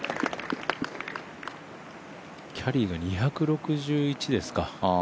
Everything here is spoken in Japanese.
キャリーが２６１ですか。